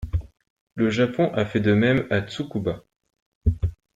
Le Japon a fait de même à Tsukuba.